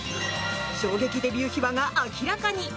衝撃デビュー秘話が明らかに。